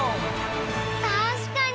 たしかに！